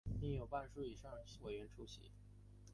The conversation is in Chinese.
应有半数以上委员出席